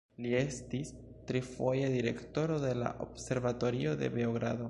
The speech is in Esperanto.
Li estis tri foje direktoro de la Observatorio de Beogrado.